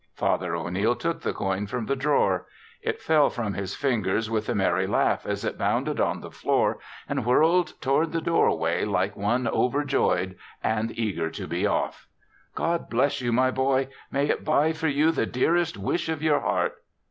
Father O'Neil took the coin from the drawer. It fell from his fingers with a merry laugh as it bounded on the floor and whirled toward the doorway like one overjoyed and eager to be off. "God bless you, my boy! May it buy for you the dearest wish of your heart."